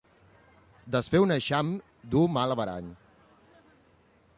Desfer un eixam duu mal averany.